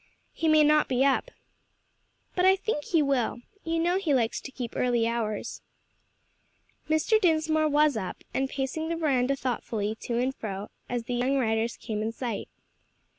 "He may not be up." "But I think he will; you know he likes to keep early hours." Mr. Dinsmore was up and pacing the veranda thoughtfully to and fro, as the young riders came in sight.